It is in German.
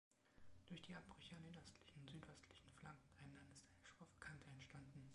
Durch die Abbrüche an den östlichen und südöstlichen Flankenrändern ist eine schroffe Kante entstanden.